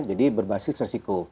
jadi berbasis risiko